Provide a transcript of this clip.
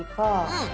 うん！